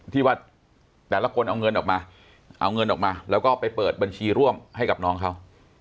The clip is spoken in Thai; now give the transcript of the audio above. ที่ว่าแต่ละคนเอาเงินออกมาเอาเงินออกมาแล้วก็ไปเปิดบัญชีร่วมให้กับน้องเขา